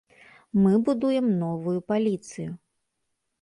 Мы будуем новую паліцыю.